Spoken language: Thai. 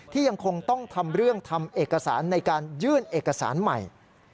ยังคงต้องทำเรื่องทำเอกสารในการยื่นเอกสารใหม่